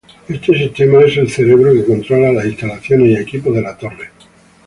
Este sistema es el "cerebro" que controla las instalaciones y equipo de la Torre.